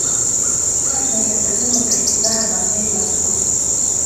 Pealtnägijate sõnul tehti vähemalt neli lasku.